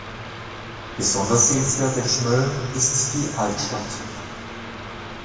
Besonders sehenswert in Schmölln ist die Altstadt.